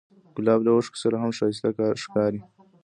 ګلاب له اوښکو سره هم ښایسته ښکاري.